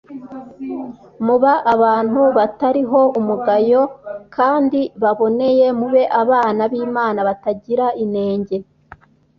muba abantu batariho umugayo s kandi baboneye mube abana b Imana batagira inenge